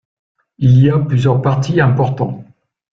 Il y a plusieurs partis importants.